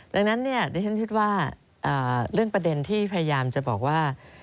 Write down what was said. ดังนั้นเนี่ยดิฉันคิดว่าเรื่องประเด็นที่พยายามจะบอกว่า